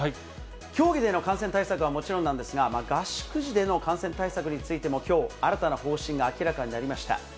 競技での感染対策はもちろんなんですが、合宿時での感染対策についても、きょう、新たな方針が明らかになりました。